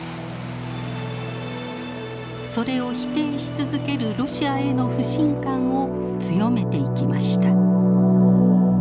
それを否定し続けるロシアへの不信感を強めていきました。